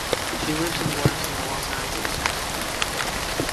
She lives and works in the Los Angeles area.